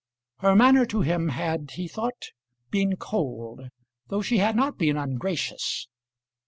Her manner to him had, he thought, been cold, though she had not been ungracious.